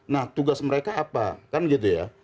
nah tugas mereka apa kan gitu ya